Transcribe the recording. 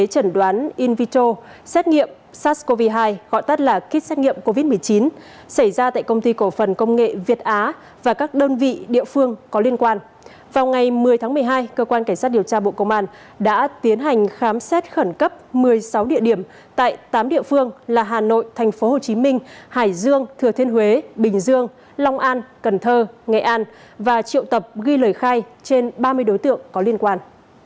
tháng một mươi hai cơ quan cảnh sát điều tra bộ công an đã tiến hành khám xét khẩn cấp một mươi sáu địa điểm tại tám địa phương là hà nội tp hcm hải dương thừa thiên huế bình dương long an cần thơ nghệ an và triệu tập ghi lời khai trên ba mươi đối tượng có liên quan